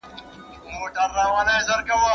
پښتو ته په ډیجیټل وخت کې پام وکړئ.